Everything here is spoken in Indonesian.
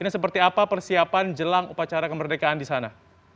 ini seperti apa persiapan jelang upacara kemerdekaan di sana